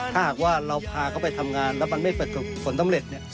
ถ้าหากเราพาเขาไปทำงานแล้วมันไม่สำเร็จ